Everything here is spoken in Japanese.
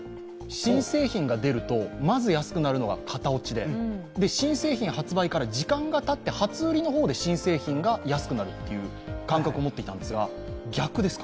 新製品が出るとまず安くなるのが型落ちで、新製品発売から時間がたって初売りの方で新製品が安くなるという感覚を持っていたんですが逆ですか。